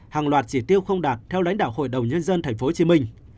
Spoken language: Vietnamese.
hàng loạt chỉ tiêu không đạt theo lãnh đạo hội đồng nhân dân tp hcm